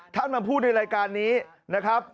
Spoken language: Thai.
ท่านมาพูดในรายการนี้นะครับ